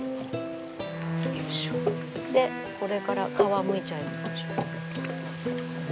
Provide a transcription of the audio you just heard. でこれから皮むいちゃいましょう。